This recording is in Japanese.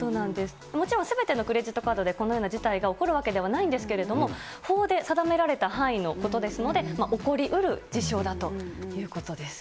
もちろんすべてのクレジットカードでこのような事態が起こるわけではないんですけれども、法で定められた範囲のことですので、起こりうる事象だということです。